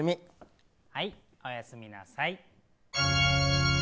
おやすみなさい。